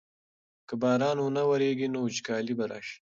که باران ونه ورېږي نو وچکالي به راشي.